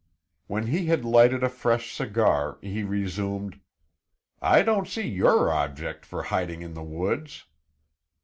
When he had lighted a fresh cigar he resumed: "I don't see your object for hiding in the woods."